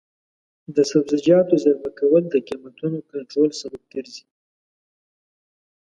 د سبزیجاتو زېرمه کول د قیمتونو کنټرول سبب ګرځي.